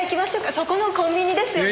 そこのコンビニですよね。